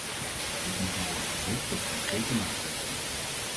Dit moet dan worden gevolgd door concrete maatregelen.